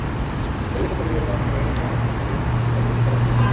পরিবেশ ও প্রকৃতিগত কারণে ঝড়ের আওয়াজ অনেক নারীর একযোগে চিৎকারের মত শোনা যায়।